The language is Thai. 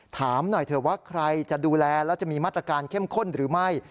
ถามหน่อยเถอะว่าใครจะดูแลและจะมีมาตรการเข้มข้นหรือไม่